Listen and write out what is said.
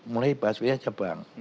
mulai bas b aja bang